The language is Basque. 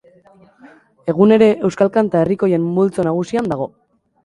Egun ere, euskal kanta herrikoien multzo nagusian dago.